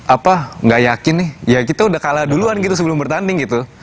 apa nggak yakin nih ya kita udah kalah duluan gitu sebelum bertanding gitu